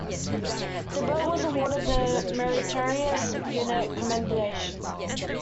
The boat was awarded the Meritorious Unit Commendation.